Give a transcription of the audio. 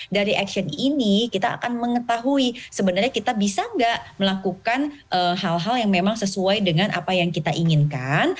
dari action ini kita akan mengetahui sebenarnya kita bisa nggak melakukan hal hal yang memang sesuai dengan apa yang kita inginkan